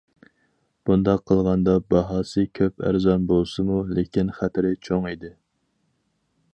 بۇنداق قىلغاندا باھاسى كۆپ ئەرزان بولسىمۇ، لېكىن، خەتىرى چوڭ ئىدى.